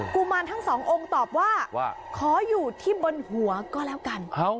กุมารทั้งสององค์ตอบว่าว่าขออยู่ที่บนหัวก็แล้วกัน